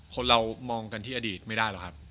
คนเรามองกันที่อดีตไม่ได้หรอกครับ